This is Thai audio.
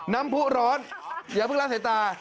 น้ำผู้ร้อนอย่าเพิ่งละสายตา